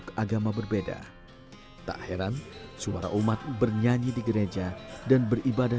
kami berdoa untuk orang orang yang berkembang